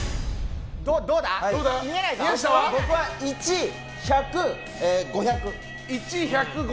僕は１、１００、５００。